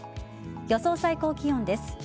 予想最高気温です。